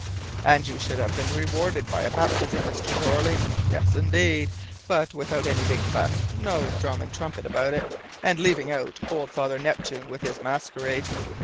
"And you should have been rewarded by a baptism, Mr. Jeorling. Yes, indeed, but without any big fuss no drum and trumpet about it, and leaving out old Father Neptune with his masquerade.